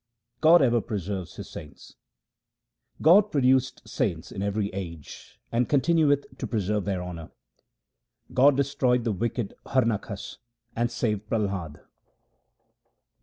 God ever preserves His saints :— God produced saints in every age, and continueth to preserve their honour. God destroyed the wicked Harnakhas and saved Prahlad.